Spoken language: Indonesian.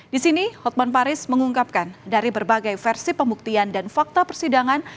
di sini hotman paris mengungkapkan dari berbagai versi pembuktian dan fakta persidangan